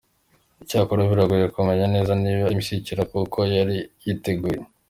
Icyakora biragoye kumenya neza niba imishyikirano koko yari yiteguwe.